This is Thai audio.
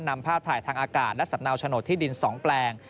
นำภาพถ่ายทางอากาศและสำเนาโฉนดที่ดิน๒แปลง